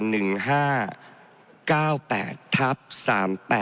มาตรา๑๕๙๘